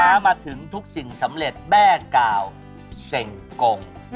มาถึงทุกสิ่งสำเร็จแม่กาวเสงกง